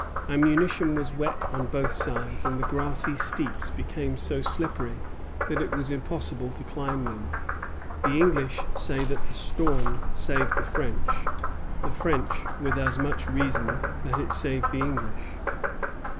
Ammunition was wet on both sides, and the grassy steeps became so slippery that it was impossible to climb them. The English say that the storm saved the French; the French, with as much reason, that it saved the English.